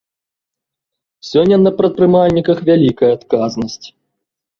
Сёння на прадпрымальніках вялікая адказнасць.